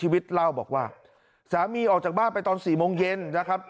เล่าบอกว่าสามีออกจากบ้านไปตอน๔โมงเย็นนะครับ